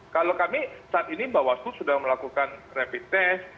kalau kami saat ini bawaslu sudah melakukan rapid test